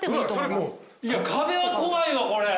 いや壁は怖いわこれ。